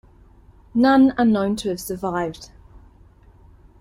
None are known to have survived.